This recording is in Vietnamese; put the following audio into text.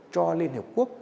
cho liên hợp quốc